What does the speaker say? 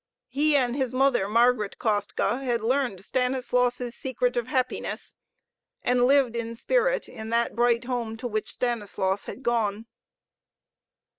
He and his mother, Margaret Kostka, had learned Stanislaus' secret of happiness, and lived in spirit in that bright home to which Stanislaus had gone.